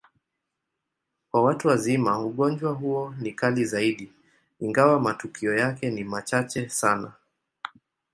Kwa watu wazima, ugonjwa huo ni kali zaidi, ingawa matukio yake ni machache sana.